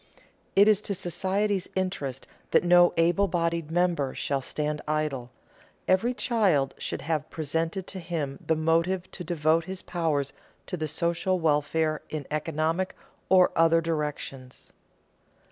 It is to society's interest that no able bodied member shall stand idle. Every child should have presented to him the motive to devote his powers to the social welfare in economic or other directions.